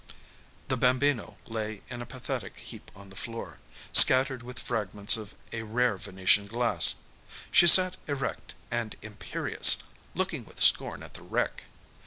The Bambino lay in a pathetic heap on the floor, scattered with fragments of a rare Venetian glass. She sat erect and imperious, looking with scorn at the wreck.